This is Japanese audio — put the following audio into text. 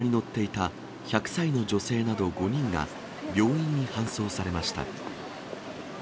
衝突された車に乗っていた１００歳の女性など５人が、病院に搬送されました。